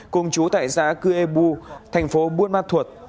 cùng chú tại giã cư ê bu thành phố buôn ma thuột